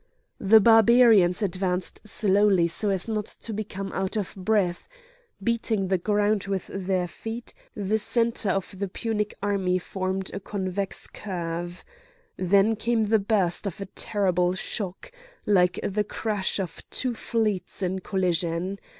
The Barbarians advanced slowly so as not to become out of breath, beating the ground with their feet; the centre of the Punic army formed a convex curve. Then came the burst of a terrible shock, like the crash of two fleets in collision.